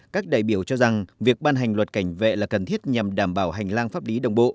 các đại biểu cho rằng việc ban hành luật cảnh vệ là cần thiết nhằm đảm bảo hành lang pháp lý đồng bộ